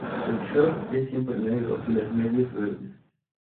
El short es siempre negro y las medias verdes.